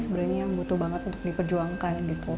sebenarnya yang butuh banget untuk diperjuangkan gitu